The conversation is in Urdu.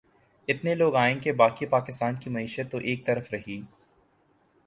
اتنے لوگ آئیں کہ باقی پاکستان کی معیشت تو ایک طرف رہی